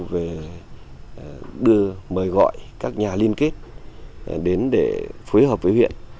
về đưa mời gọi các nhà liên kết đến để phối hợp với huyện